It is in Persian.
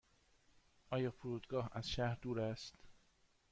آیا فرودگاه از شهر دور است؟